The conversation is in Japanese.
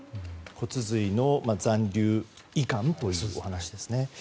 骨髄の残留いかんというお話ですね。